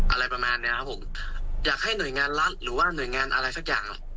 อะไรประมาณเนี้ยครับผมอยากให้หน่วยงานรัฐหรือว่าหน่วยงานอะไรสักอย่าง